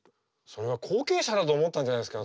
それは後継者だと思ったんじゃないですか？